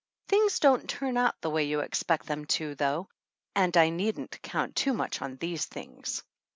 Things don't turn out the way you expect them to, though, and I needn't count too much 2 on these things.